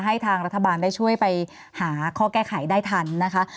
ให้ทางรัฐบาลได้ช่วยไปหาข้อแก้ไขได้ทันนะคะ